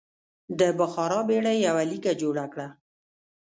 د بخار بېړۍ یوه لیکه جوړه کړه.